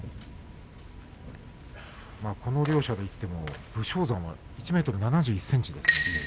この両者でいっても武将山は１ｍ７１ｃｍです。